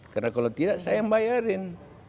karena kalau tidak saya yang bayarin